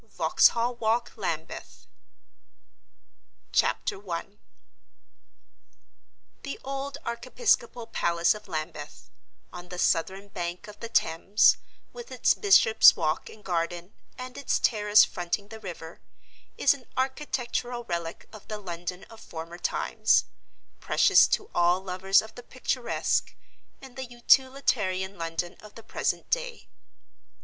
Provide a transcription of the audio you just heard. VAUXHALL WALK, LAMBETH. CHAPTER I. The old Archiepiscopal Palace of Lambeth, on the southern bank of the Thames—with its Bishop's Walk and Garden, and its terrace fronting the river—is an architectural relic of the London of former times, precious to all lovers of the picturesque, in the utilitarian London of the present day.